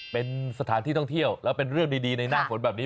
เป็นสถานที่ท่องเที่ยวแล้วเป็นเรื่องดีในหน้าฝนแบบนี้